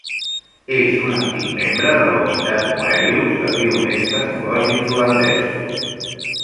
És un antic membre de la Unitat Moebius de pioners tecnològics holandesos.